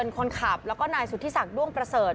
คนขับและนายสุธิษักร์ดวงประเสริฐ